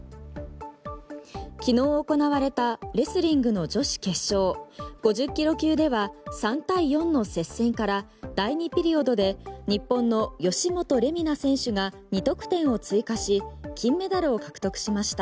昨日行われた、レスリングの女子決勝５０ｋｇ級では３対４の接戦から第２ピリオドで日本の吉元玲美那選手が２得点を追加し金メダルを獲得しました。